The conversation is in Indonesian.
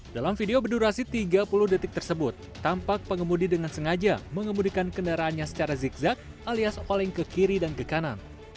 dalam video berdurasi tiga puluh detik tersebut tampak pengemudi dengan sengaja mengemudikan kendaraannya secara zigzag alias oleng ke kiri dan ke kanan